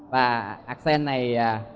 và axen này